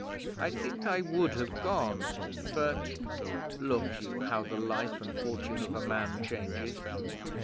I think I would have gone, but ... 'Look you how the life and fortune of man changes!